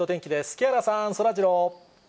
木原さん、そらジロー。